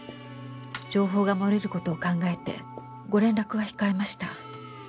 「情報が洩れることを考えてご連絡は控えました」